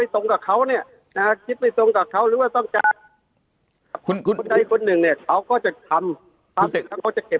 ต้องดำเนินการขั้นเด็ดขาด